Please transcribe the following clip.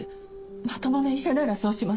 まともな医者ならそうします。